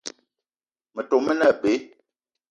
Metom me ne abe.